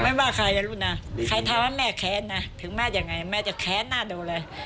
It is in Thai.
ว่าใครจะรู้นะใครถามว่าแม่แค้นนะถึงแม่ยังไงแม่จะแค้นหน้าดูเลย